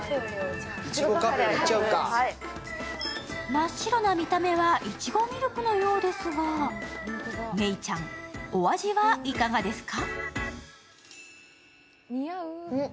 真っ白な見た目はいちごミルクのようですが芽育ちゃん、お味はいかがですか？